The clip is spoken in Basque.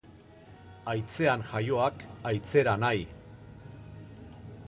Haitzean jaioak haitzera nahi.